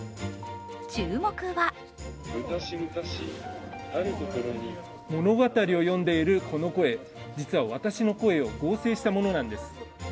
注目は物語を読んでいるこの声、実は私の声を合成したものなんです。